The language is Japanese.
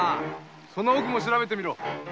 その奥も調べてみろ。